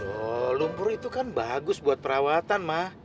oh lumpur itu kan bagus buat perawatan mah